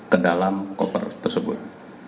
ke dalam koper tersebut